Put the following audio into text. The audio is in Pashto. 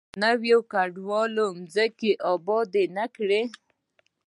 آیا نویو کډوالو ځمکې ابادې نه کړې؟